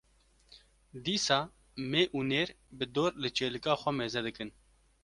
dîsa mê û nêr bi dor li çêlika xwe mêze dikin.